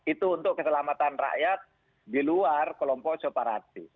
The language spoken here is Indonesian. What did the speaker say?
itu untuk keselamatan rakyat di luar kelompok separatis